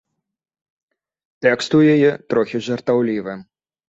Тэкст у яе трохі жартаўлівы.